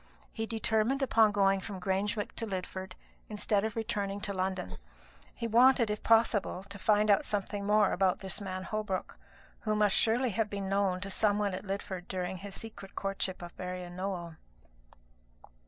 He determined upon going from Grangewick to Lidford, instead of returning to London. He wanted, if possible, to find out something more about this man Holbrook, who must surely have been known to some one at Lidford during his secret courtship of Marian Nowell.